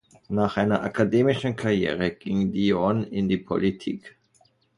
Nach einer akademischen Karriere ging Dion in die Politik.